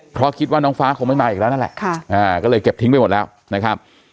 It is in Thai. เพราะคิดว่าน้องฟ้าคงไม่มาอีกแล้วนั่นแหละก็เลยเก็บทิ้งไปหมดแล้วนะครับ